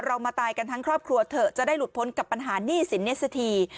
เรามาตายกันทั้งครอบครัวเถอะจะได้หลุดพ้นกับปัญหาหนี้สินเนี่ยสักที